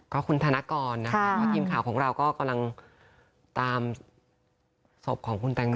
ก็คุณธนกรนะคะว่าทีมข่าวของเราก็กำลังตามศพของคุณแตงโม